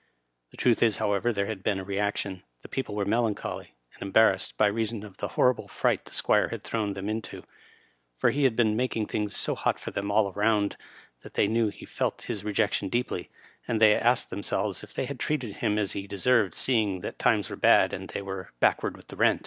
The truth is, however, there had been a reaction — the people were melancholy, and embarrassed, by reason of the horrible fright the Squire had thrown them into. For he had been making things so hot for them, all round that they knew he felt his rejection deeply, and they asked themselves if they had treated him as he deserved, seeing that times were bad, and they were backward with the rent.